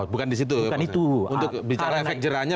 bukan itu untuk bicara efek jerahnya